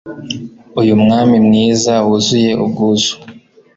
Uyu mwami mwiza wuzuye ubwuzu